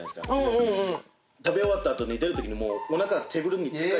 食べ終わった後に出るときにもう。